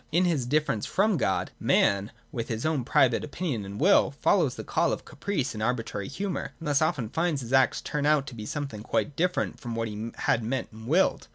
In his difference from God, man, with his own private opinion and will, follows the call of caprice and arbitrary humour, and thus often finds his acts turn out something quite different from what he had meant and willed.